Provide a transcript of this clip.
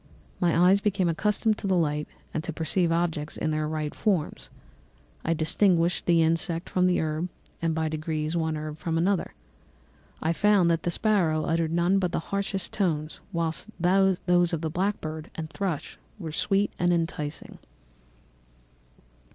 My eyes became accustomed to the light and to perceive objects in their right forms; I distinguished the insect from the herb, and by degrees, one herb from another. I found that the sparrow uttered none but harsh notes, whilst those of the blackbird and thrush were sweet and enticing.